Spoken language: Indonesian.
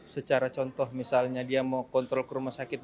secara contoh misalnya dia mau kontrol ke rumah sakit